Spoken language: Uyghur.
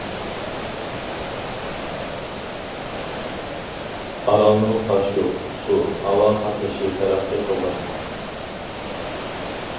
ئارالنىڭ تاشيول، سۇ، ھاۋا قاتنىشى تەرەققىي قىلغان.